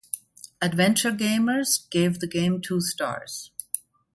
"Adventure Gamers" gave the game two stars.